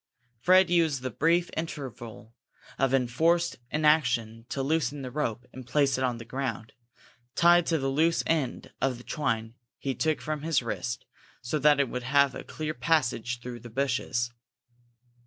Fred used the brief interval of enforced inaction to loosen the rope and place it on the ground, tied to the loose end of the twine he took from his wrist, so that it would have a clear passage through the bushes.